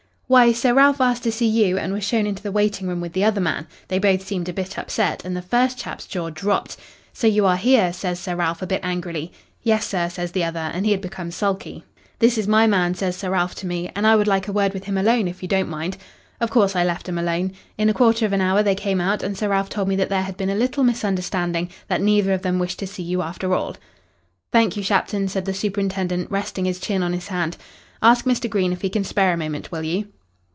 "Why, Sir Ralph asked to see you and was shown into the waiting room with the other man. They both seemed a bit upset, and the first chap's jaw dropped. 'So you are here,' says Sir Ralph, a bit angrily. 'Yes, sir,' says the other, and he had become sulky. 'This is my man,' says Sir Ralph to me, 'and I would like a word with him alone, if you don't mind.' Of course, I left 'em alone. In a quarter of an hour they came out, and Sir Ralph told me that there had been a little misunderstanding that neither of them wished to see you after all." "Thank you, Shapton," said the superintendent, resting his chin on his hand. "Ask Mr. Green if he can spare a moment, will you?"